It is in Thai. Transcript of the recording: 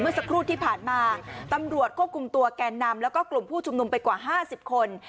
สักครู่ที่ผ่านมาตำรวจควบคุมตัวแกนนำแล้วก็กลุ่มผู้ชุมนุมไปกว่า๕๐คน